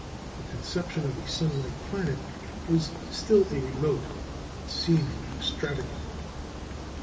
The conception of a sun like planet was still a remote, and seemed an extravagant one.